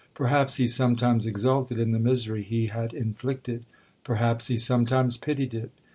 Perhaps he sometimes exulted in the misery he had inflicted,—perhaps he sometimes pitied it.